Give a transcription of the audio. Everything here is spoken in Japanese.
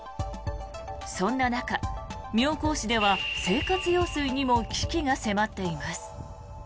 そんな中、妙高市では生活用水にも危機が迫っています。